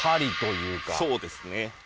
そうですね。